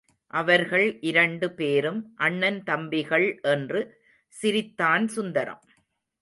அவர்கள் இரண்டு பேரும் அண்ணன் தம்பிகள் என்று சிரித்தான் சுந்தரம்.